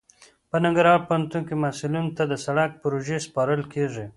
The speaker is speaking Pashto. په ننګرهار پوهنتون کې محصلینو ته د سرک پروژې سپارل کیږي